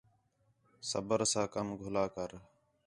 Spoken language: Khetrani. صبر ساں کم گھلا کر